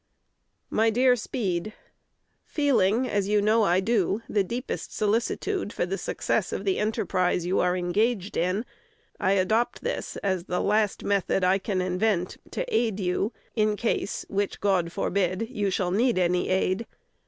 My dear Speed, Feeling, as you know I do, the deepest solicitude for the success of the enterprise you are engaged in, I adopt this as the last method I can invent to aid you, in case (which God forbid) you shall need any aid.